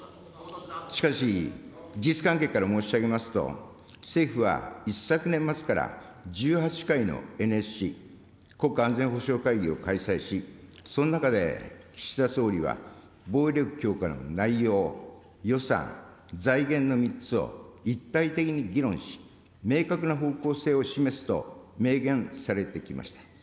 しかし、事実関係から申し上げますと、政府は一昨年末から１８回のＮＳＣ・国家安全保障会議を開催し、その中で岸田総理は、防衛力強化の内容、予算、財源の３つを一体的に議論し、明確な方向性を示すと明言されてきました。